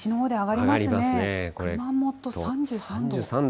熊本３３度。